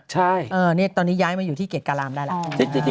ใช่เออตอนนี้ย้ายมาอยู่ที่เกียรติกาลามได้แหละ